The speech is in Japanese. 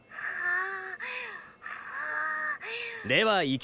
ああ。